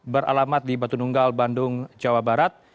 beralamat di batu nunggal bandung jawa barat